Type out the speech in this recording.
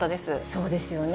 そうですよね。